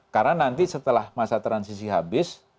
karena nanti setelah masa transisi habis